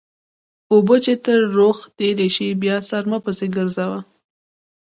اوبه چې تر ورخ تېرې شي؛ بیا سر مه پسې ګرځوه.